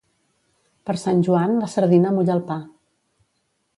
Per Sant Joan la sardina mulla el pa.